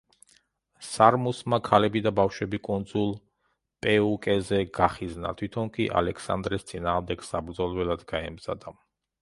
სარმუსმა ქალები და ბავშვები კუნძულ პეუკეზე გახიზნა, თვითონ კი ალექსანდრეს წინააღმდეგ საბრძოლველად გაემზადა.